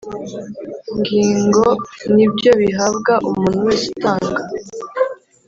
Ngingo nibyo bihabwa umuntu wese utanga